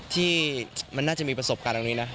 ที่มันน่าจะมีประสบการณ์ตรงนี้นะ